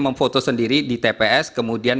memfoto sendiri di tps kemudian